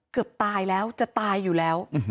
เกือบตายแล้วจะตายอยู่แล้ว